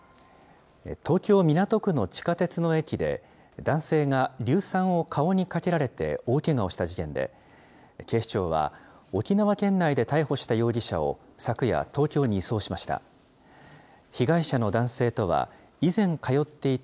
東京・港区の地下鉄の駅で、男性が硫酸を顔にかけられて大けがをした事件で、警視庁は、沖縄県内で逮捕した容疑者を、昨夜、東京に移送しました。